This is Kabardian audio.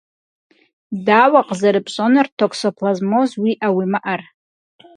Дауэ къызэрыпщӏэнур токсоплазмоз уиӏэ-уимыӏэр?